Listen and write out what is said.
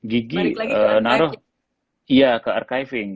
gigi naruh ke archiving